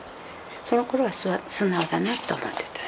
そのころは素直だなと思ってた。